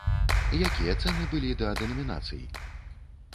Якія цэны былі да дэнамінацый?